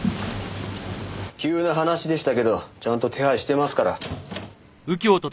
急な話でしたけどちゃんと手配してますから。